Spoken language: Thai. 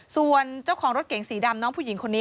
ส่วนเจ้าของรถเก๋งสีดำน้องผู้หญิงคนนี้